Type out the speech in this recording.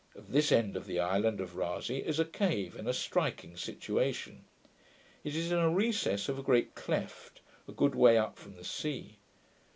At this end of the island of Rasay is a cave in a striking situation. It is in a recess of a great cleft, a good way up from the sea.